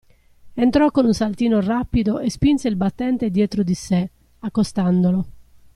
Entrò con un saltino rapido e spinse il battente dietro di sè, accostandolo.